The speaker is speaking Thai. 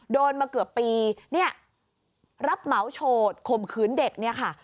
โดนมาเกือบปีรับเหมาโฉดข่มขืนเด็ก